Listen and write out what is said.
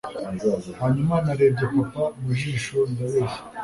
Hanyuma narebye papa mu jisho ndabeshya.